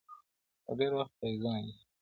• له ډېره وخته تعویذونه لیکي -